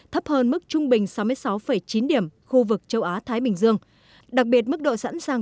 thấp hơn mức trung bình sáu mươi sáu chín điểm khu vực châu á thái bình dương đặc biệt mức độ sẵn sàng